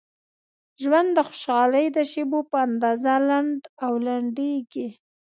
ژوند د خوشحالۍ د شیبو په اندازه لنډ او لنډیږي.